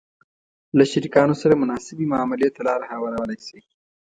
-له شریکانو سره مناسبې معاملې ته لار هوارولای شئ